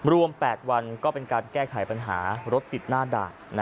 รวม๘วันก็เป็นการแก้ไขปัญหารถติดหน้าด่าน